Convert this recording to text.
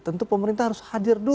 tentu pemerintah harus hadir dulu